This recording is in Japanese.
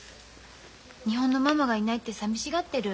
日本のママがいないってさみしがってる。